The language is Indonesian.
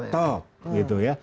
top gitu ya